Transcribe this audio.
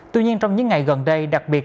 tuy nhiên trong những ngày gần đây đặc biệt